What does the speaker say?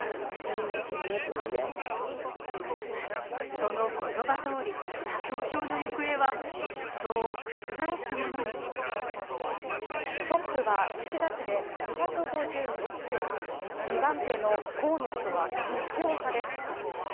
その言葉通り、投票の行方は予想を覆すものにトップは、岸田氏市２５６票、二番手の河野氏と一票差です。